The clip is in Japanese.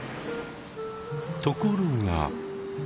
ところが。